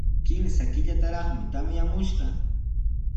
Kimsa killataraqmi tamyamushqa.